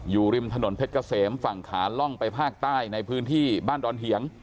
อยู่ริมถนนเพชรเกษมฝั่งขาล่องไปภาคใต้ในพื้นที่บ้านดอนเหียง